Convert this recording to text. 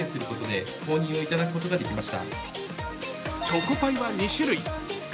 チョコパイは２種類。